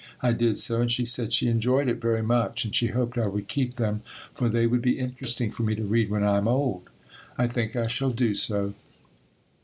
I did so and she said she enjoyed it very much and she hoped I would keep them for they would be interesting for me to read when I am old. I think I shall do so.